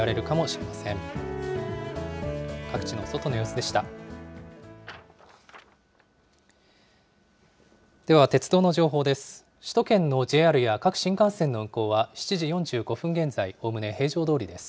では、鉄道の情報です。